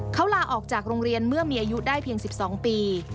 เขาลาออกจากโรงเรียนเมื่อมีอายุได้เพียง๑๒ปี